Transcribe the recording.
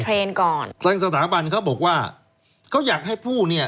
เทรนด์ก่อนทางสถาบันเขาบอกว่าเขาอยากให้ผู้เนี้ย